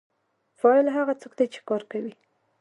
فاعل هغه څوک دی چې کار کوي.